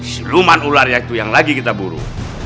seluman ular yang lagi kita buru